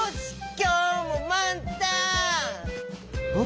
きょうもまんたん！